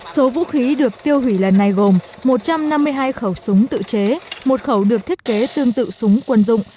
số vũ khí được tiêu hủy lần này gồm một trăm năm mươi hai khẩu súng tự chế một khẩu được thiết kế tương tự súng quân dụng